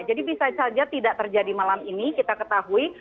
bisa saja tidak terjadi malam ini kita ketahui